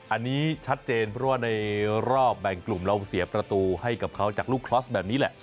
อันนี้ชัดเจนเพราะว่าในรอบแบ่งกลุ่มเราเสียประตูให้กับเขาจากลูกคลอสแบบนี้แหละ